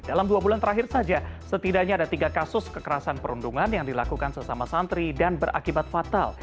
dalam dua bulan terakhir saja setidaknya ada tiga kasus kekerasan perundungan yang dilakukan sesama santri dan berakibat fatal